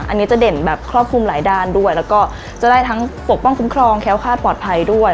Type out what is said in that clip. อันนี้จะเด่นแบบครอบคลุมหลายด้านด้วยแล้วก็จะได้ทั้งปกป้องคุ้มครองแค้วคาดปลอดภัยด้วย